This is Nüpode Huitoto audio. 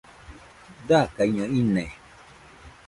Dakaiño ine